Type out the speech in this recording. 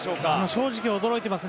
正直、驚いています。